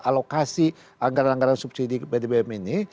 alokasi anggaran anggaran subsidi bbm ini